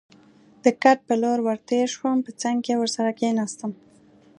د کټ په لور ور تېر شوم، په څنګ کې ورسره کېناستم.